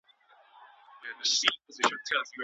که د مسافرو لپاره تمځایونه وي، نو هغوی په خاورو کي نه کیني.